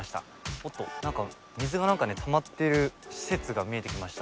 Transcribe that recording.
おっとなんか水がなんかねたまってる施設が見えてきました。